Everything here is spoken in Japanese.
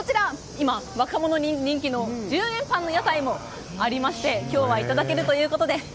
今、若者に人気の１０円パンの屋台もありまして今日はいただけるということで。